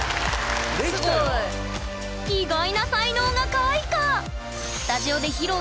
意外な才能が開花！